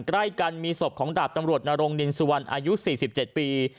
ใกล้กันมีศพของดาบตำรวจนรงนินสุวรรณอายุ๔๗ปี